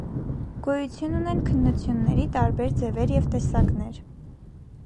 Գոյություն ունեն քննությունների տարբեր ձևեր և տեսակներ։